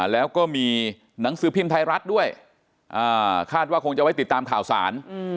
แล้วก็มีหนังสือพิมพ์ไทยรัฐด้วยคาดว่าคงจะไว้ติดตามข่าวสาร